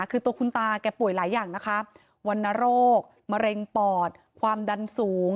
คือตัวคุณตาแกป่วยหลายอย่างนะคะวรรณโรคมะเร็งปอดความดันสูง